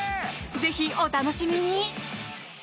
ぜひお楽しみに。